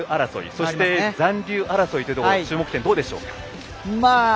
そして、残留争いというところの注目点、どうでしょうか。